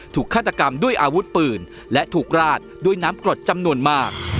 ฆาตกรรมด้วยอาวุธปืนและถูกราดด้วยน้ำกรดจำนวนมาก